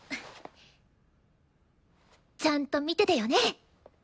ちゃんと見ててよね！